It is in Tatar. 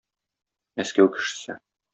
Мәскәү кешесе.